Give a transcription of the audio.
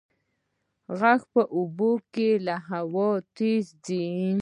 غږ په اوبو کې له هوا تېز ځي.